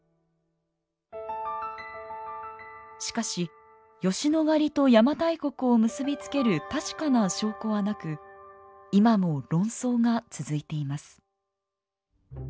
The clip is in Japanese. しかし吉野ヶ里と邪馬台国を結び付ける確かな証拠はなく今も論争が続いています。